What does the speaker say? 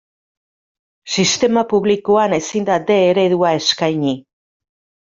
Sistema publikoan ezin da D eredua eskaini.